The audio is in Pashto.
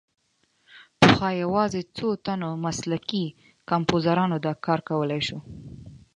پخوا یوازې څو تنو مسلکي کمپوزرانو دا کار کولای شو.